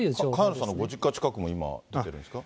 萱野さんのご実家近くも今、なってるんですか。